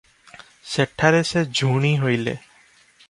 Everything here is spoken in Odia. ସେଠାରେ ସେ ଝୁଣି ହୋଇଲେ ।